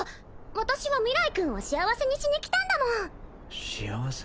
私は明日君を幸せにしに来たんだもん幸せ？